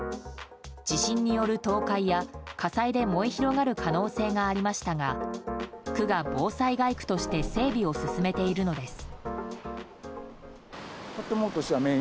地震による倒壊や火災で燃え広がる可能性がありましたが区が防災街区として整備を進めているのです。